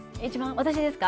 私ですか？